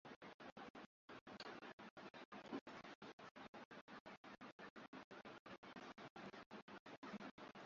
yake na Amri zake Sabato ilisahauliwa na Wengi wa wana wa Israeli walichafuliwa na